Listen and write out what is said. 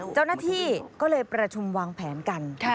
เจ้าหน้าที่ก็เลยประชุมวางแผนกัน